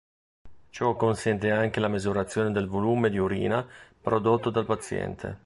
Ciò consente anche la misurazione del volume di urina prodotto dal paziente.